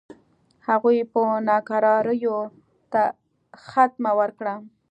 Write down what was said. هغوی به ناکراریو ته خاتمه ورکړي.